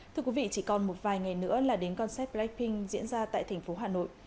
thưa quý vị chỉ còn một vài ngày nữa là đến concept blackpink diễn ra tại tp hà nội